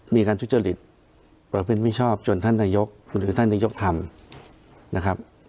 มีการทุจริตประพฤติมิชชอบจนท่านนายกหรือท่านนายกทำนะครับ